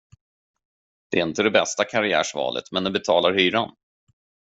Det är inte det bästa karriärsvalet, men det betalar hyran.